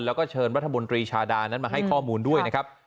แล้วก็เชิญรัฐมนตรีชาดานั้นมาให้ข้อมูลด้วยนะครับ